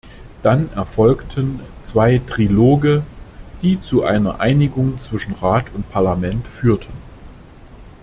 Dann erfolgten zwei Triloge, die zu einer Einigung zwischen Rat und Parlament führten.